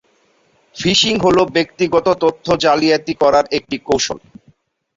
Fishing হল ব্যক্তিগত তথ্য জালিয়াতি করার একটি কৌশল।